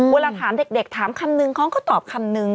เวลาถามเด็กถามคำนึงเขาก็ตอบคำนึง